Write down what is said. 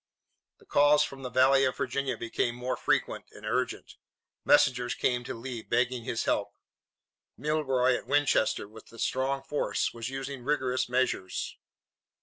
The calls from the Valley of Virginia became more frequent and urgent. Messengers came to Lee, begging his help. Milroy at Winchester, with a strong force, was using rigorous measures.